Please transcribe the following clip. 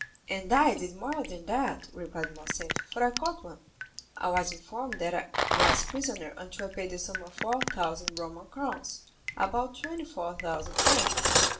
"And I did more than that," replied Morcerf, "for I caught one. I was informed that I was prisoner until I paid the sum of 4,000 Roman crowns—about 24,000 francs.